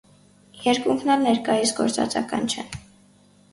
Երկուքն ալ ներկայիս գործածական չեն։